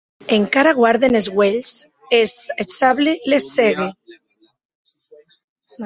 Encara guarden es uelhs, e eth sable les cègue.